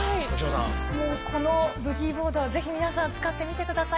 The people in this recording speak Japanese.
もうこのブギーボードはぜひ皆さん、使ってみてください。